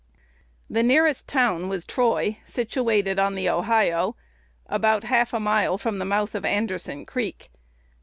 The nearest town was Troy, situated on the Ohio, about half a mile from the mouth of Anderson Creek.